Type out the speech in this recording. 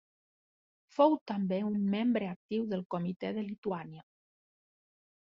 Fou també un membre actiu del Comitè de Lituània.